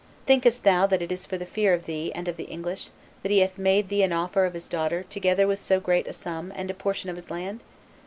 Thinkest thou that it is for fear of thee and of the English that he hath made thee an offer of his daughter together with so great a sum and a portion of his land?